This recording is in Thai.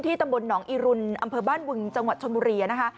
ตำบลหนองอีรุนอำเภอบ้านบึงจังหวัดชนบุรีนะคะ